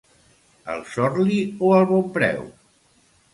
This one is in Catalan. Al Sorli o al Bonpreu?